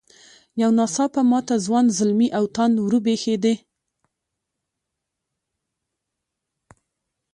یو نا څاپه ماته ځوان زلمي او تاند وبرېښدې.